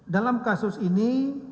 dalam kasus ini